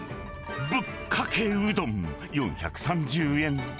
ぶっかけうどん４３０円。